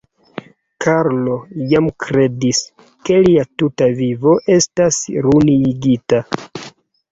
Karlo jam kredis, ke lia tuta vivo estas ruinigita.